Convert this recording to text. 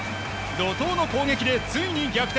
怒涛の攻撃で、ついに逆転。